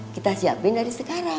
kita siapin dari sekarang